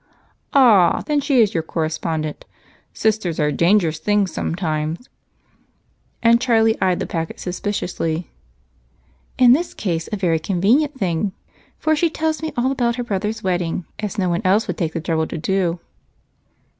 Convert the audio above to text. "Ah! Then she is your correspondent? Sisters are dangerous things sometimes." And Charlie eyed the packet suspiciously. "In this case, a very convenient thing, for she tells me all about her brother's wedding, as no one else would take the trouble to do."